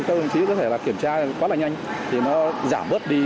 các đồng chí có thể là kiểm tra quá là nhanh thì nó giảm bớt đi